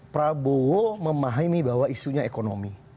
prabowo memahami bahwa isunya ekonomi